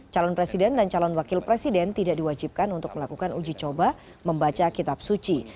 calon presiden dan calon wakil presiden tidak diwajibkan untuk melakukan uji coba membaca kitab suci